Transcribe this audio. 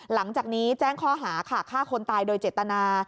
หลังจากนี้แจ้งข้อหาค่ะฆ่าคนตายโดยเจตนา